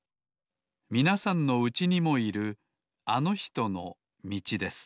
みなさんのうちにもいるあのひとのみちです